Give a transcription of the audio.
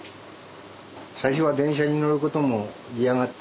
最初は電車に乗ることも嫌がってました。